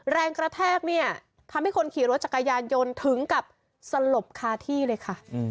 แรงกระแทกเนี่ยทำให้คนขี่รถจักรยานยนต์ถึงกับสลบคาที่เลยค่ะ